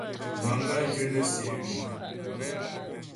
Manga zhyə nə̀ siɛ̀ ywii.